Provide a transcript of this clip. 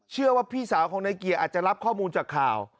เชื่อว่าพี่สาวของนายเกียร์อาจจะรับข้อมูลจากข่าว